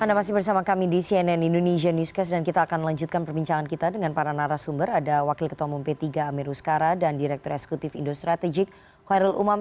anda masih bersama kami di cnn indonesia newscast dan kita akan lanjutkan perbincangan kita dengan para narasumber ada wakil ketua umum p tiga amir uskara dan direktur eksekutif indo strategik hoirul umam